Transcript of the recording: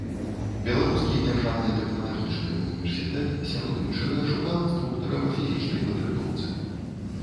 Беларускі дзяржаўны тэхналагічны універсітэт, сярод іншага, шукаў інструктара па фізічнай падрыхтоўцы.